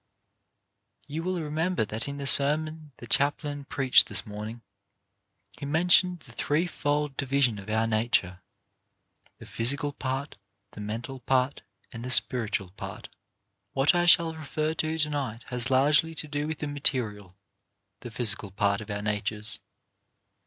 You will remember that in the sermon the Chaplain preached this morning, he mentioned the three fold division of our nature ; the physical part, the mental part, and the spiritual part. What I shall refer to to night has largely to do with the material, the physical part of our na tures.